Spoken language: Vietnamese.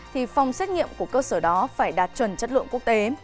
thì phòng xét nghiệm của cơ sở đó phải đạt chuẩn chất lượng quốc tế